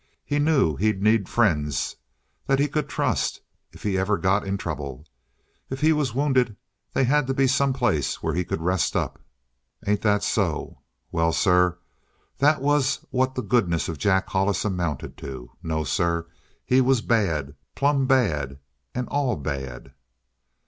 He knew he'd need friends that he could trust if he ever got in trouble. If he was wounded, they had to be someplace where he could rest up. Ain't that so? Well, sir, that's what the goodness of Jack Hollis amounted to. No, sir, he was bad. Plumb bad and all bad!